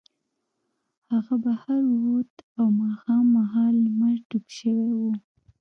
هغه بهر ووت او ماښام مهال لمر ډوب شوی و